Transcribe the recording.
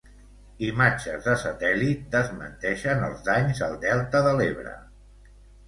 Imatges de satèl·lit desmenteixen els danys al delta de l'Ebre.